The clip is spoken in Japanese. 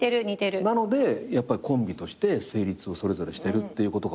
なのでやっぱりコンビとして成立をそれぞれしてるっていうことかもしれないよね。